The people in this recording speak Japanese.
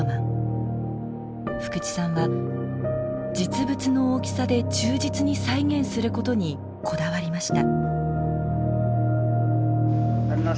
福地さんは実物の大きさで忠実に再現することにこだわりました。